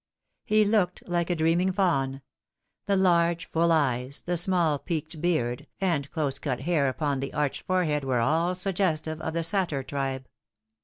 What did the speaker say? He looked like a dreaming fawn : the large full eyes, the small peaked beard, and close cut hair upon the arched forehead were all suggestive of the satyr tribe.